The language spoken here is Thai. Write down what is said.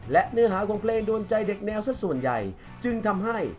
และเนื้อหาของเพลงโดนใจเด็กแนวสักส่วนใหญ่จึงทำให้